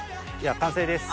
完成です。